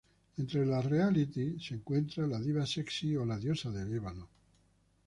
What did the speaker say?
Entre los realities se encuentran La Diva Sexy o La Diosa de Ébano.